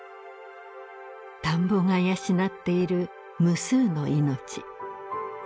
田んぼが養っている無数の命。